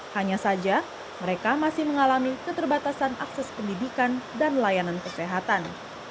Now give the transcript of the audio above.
hanya saja mereka masih mengalami keterbatasan akses pendidikan dan layanan kesehatan